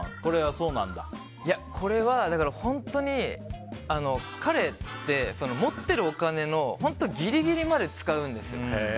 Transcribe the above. これは本当に彼って持ってるお金のギリギリまで使うんですよ。